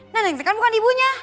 neneng sekarang bukan ibunya